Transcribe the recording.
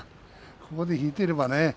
ここで引いていればね。